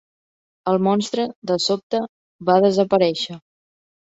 El monstre, de sobte, va desaparèixer.